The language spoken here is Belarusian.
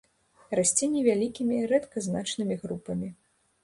Расце невялікімі, рэдка значнымі групамі.